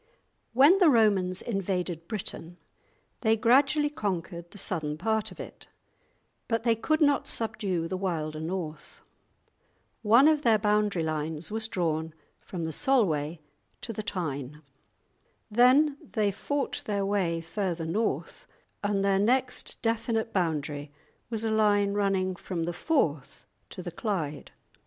When the Romans invaded Britain they gradually conquered the southern part of it, but they could not subdue the wilder north; one of their boundary lines was drawn from the Solway to the Tyne; then they fought their way further north and their next definite boundary was a line running from the Forth to the Clyde.